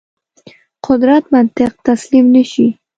قدرت منطق تسلیم نه شي.